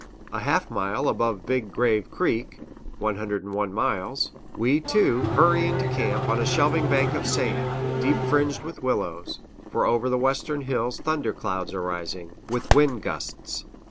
A half mile above Big Grave Creek (101 miles), we, too, hurry into camp on a shelving bank of sand, deep fringed with willows; for over the western hills thunder clouds are rising, with wind gusts.